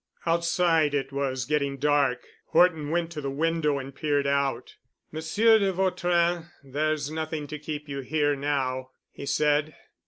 Outside it was getting dark. Horton went to the window and peered out. "Monsieur de Vautrin, there's nothing to keep you here now," he said.